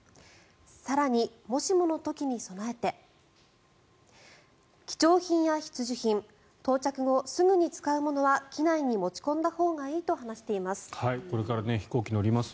更に、もしもの時に備えて貴重品や必需品到着後すぐに使うものは機内に持ち込んだほうがいいと話しています。